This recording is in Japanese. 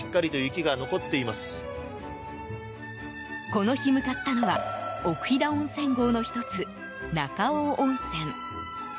この日、向かったのは奥飛騨温泉郷の１つ、中尾温泉。